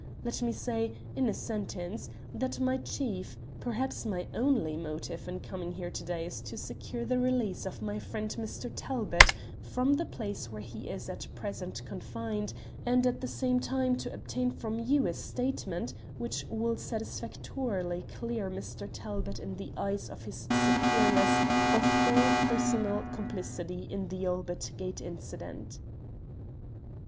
Let me say, in a sentence, that my chief, perhaps my only, motive in coming here to day is to secure the release of my friend Mr. Talbot from the place where he is at present confined, and at the same time to obtain from you a statement which will satisfactorily clear Mr. Talbot in the eyes of his superiors of all personal complicity in the Albert Gate incident."